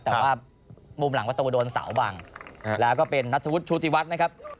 แต่ว่ามุมหลังประตูโดนเสาบังแล้วก็เป็นนัทธวุฒิชุติวัฒน์นะครับ